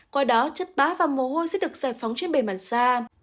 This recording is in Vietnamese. qua đó chất bá và mồ hôi sẽ được giải phóng trên bề mặt xa